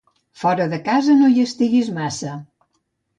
Fora de casa no hi estiguis massa.